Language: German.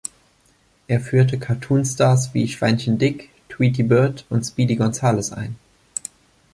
Er führte Cartoon-Stars wie Schweinchen Dick, Tweety Bird und Speedy Gonzales ein.